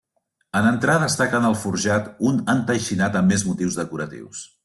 En entrar destaca en el forjat un enteixinat amb més motius decoratius.